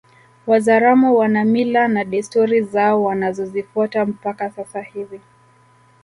Wazaramo wana mila na desturi zao wanazozifuata mpaka sasa hivi